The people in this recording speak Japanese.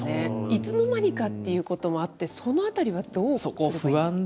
いつの間にかっていうこともあって、そのあたりはどうすれば。